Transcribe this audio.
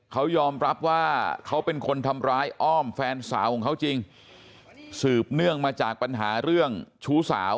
เขายอมรับว่าเขาเป็นคนทำร้ายอ้อมแฟนสาวของเขาจริงสืบเนื่องมาจากปัญหาเรื่องชู้สาว